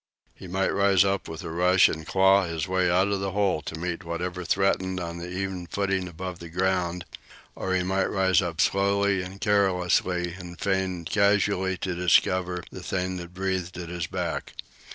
He might rise up with a rush and claw his way out of the hole to meet whatever threatened on the even footing above ground. Or he might rise up slowly and carelessly, and feign casually to discover the thing that breathed at his back.